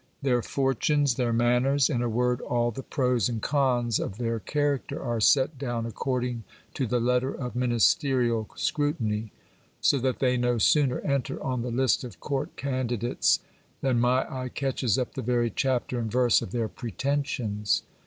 Their fortunes, their manners, in a word, all the pros and cons of their character are set down according to the letter of ministerial scrutiny ; so that they no sooner enter on the list of court candidates, that my eye catches up the very chapter and verse of their pretensions.